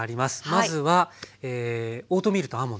まずはオートミールとアーモンド。